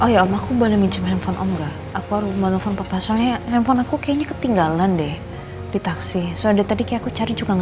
yuk danjutin lagi makan